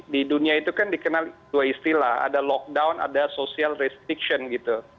di dunia itu kan dikenal dua istilah ada lockdown ada social restriction gitu